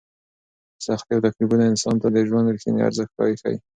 سختۍ او تکلیفونه انسان ته د ژوند رښتینی ارزښت وښيي.